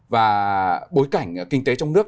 và bối cảnh kinh tế trong nước